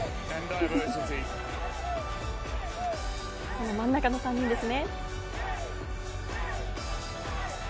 この真ん中の３人ですね。